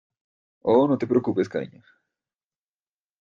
Oh, no te preocupes , cariño.